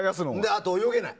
あと、泳げない。